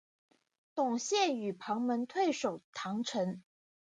董宪与庞萌退守郯城。